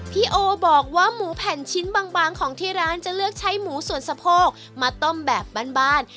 พี่โอบอกว่าหมูแผ่นชิ้นบางของที่ร้านจะเลือกใช้หมูส่วนสะโพกมาต้มแบบบ้าน